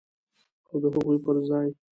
او د هغوی پر ځای